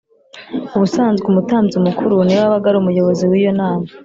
Ubusanzwe, umutambyi mukuru ni we wabaga ari umuyobozi w’iyo nama